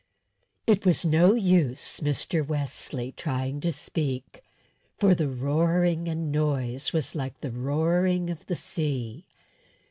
It was no use Mr. Wesley trying to speak, for the shouting and noise was like the roaring of the sea.